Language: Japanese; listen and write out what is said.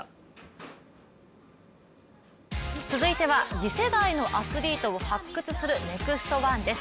続いては次世代のアスリートを発掘する「ＮＥＸＴ☆１」です。